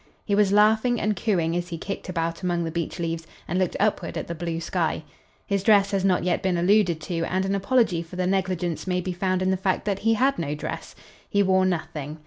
He was laughing and cooing as he kicked about among the beech leaves and looked upward at the blue sky. His dress has not yet been alluded to and an apology for the negligence may be found in the fact that he had no dress. He wore nothing.